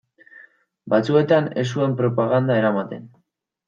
Batzuetan ez zuen propaganda eramaten.